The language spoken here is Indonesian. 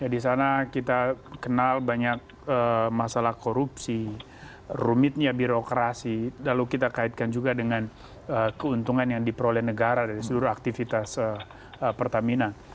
di sana kita kenal banyak masalah korupsi rumitnya birokrasi lalu kita kaitkan juga dengan keuntungan yang diperoleh negara dari seluruh aktivitas pertamina